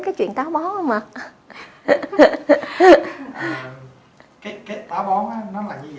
cái chuyện táo bón không mà